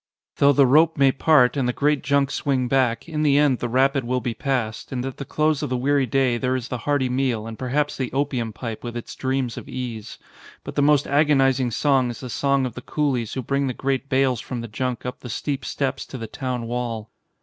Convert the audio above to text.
Though the rope may part and the great junk swing back, in the end the rapid will be passed; and at the close of the weary day there is the hearty meal and perhaps the opium pipe with its dreams of ease. But the most agonising song is the song of the coolies who bring the great bales from the junk up the steep steps to the town wall.